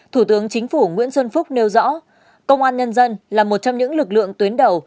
thủ tướng chính phủ nguyễn xuân phúc nêu rõ công an nhân dân là một trong những lực lượng tuyến đầu